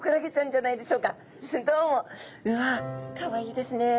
うわっかわいいですね。